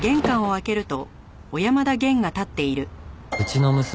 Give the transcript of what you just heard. うちの娘